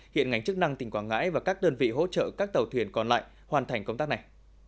hiện ngành chức năng tỉnh quảng ngãi và các đơn vị hỗ trợ các tàu thuyền còn lại hoàn thành công tác này